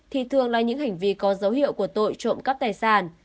thì thường là những hành vi có dấu hiệu của tội trộm cắp tài sản